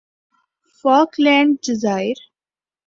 Falkland جزائر